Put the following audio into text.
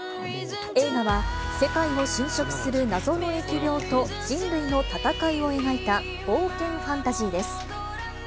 映画は、世界を侵食する謎の疫病と人類の闘いを描いた、冒険ファンタジーです。